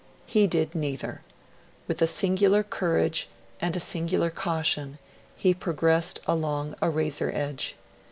He did neither; with a singular courage and a singular caution he progressed along a razor edge.